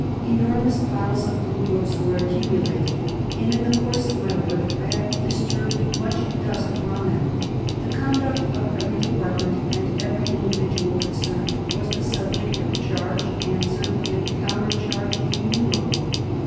Enormous piles of Blue books were accumulated, and in the course of my work I have disturbed much dust upon them. The conduct of every department and every individual concerned was the subject of charge, answer, and countercharge innumerable.